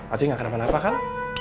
aci gak kenapa napa kan